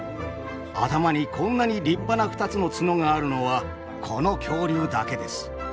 頭にこんなに立派な２つの角があるのはこの恐竜だけです。